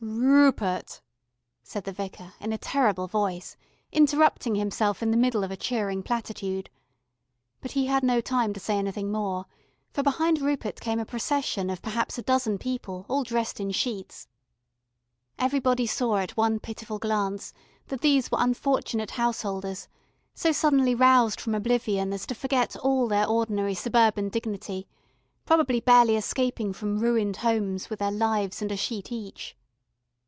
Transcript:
"RUPERT!" said the Vicar, in a terrible voice, interrupting himself in the middle of a cheering platitude. But he had no time to say anything more, for behind Rupert came a procession of perhaps a dozen people, all dressed in sheets. Everybody saw at one pitiful glance that these were unfortunate householders, so suddenly roused from oblivion as to forget all their ordinary suburban dignity, probably barely escaping from ruined homes with their lives and a sheet each.